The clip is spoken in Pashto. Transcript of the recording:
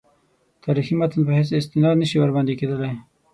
تاریخي متن په حیث استناد نه شي ورباندې کېدلای.